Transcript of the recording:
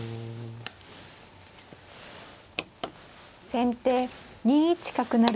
先手２一角成。